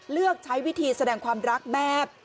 เลือกใช้วิธีแสดงความรักแบบ